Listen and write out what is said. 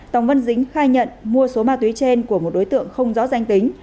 tòng văn dính khai nhận mua số ma túy trên của một đối tượng không rõ danh tính